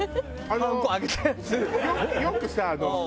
よくさ何？